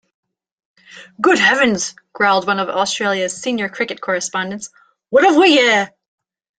"Good heavens", growled one of Australia's senior cricket correspondents, "what have we here?